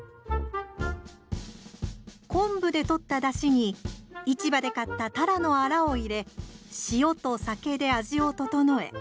昆布で取っただしに市場で買ったタラのあらを入れ塩と酒で味を調え